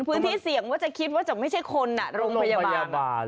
พื้นที่เสี่ยงว่าจะคิดว่าจะไม่ใช่คนโรงพยาบาล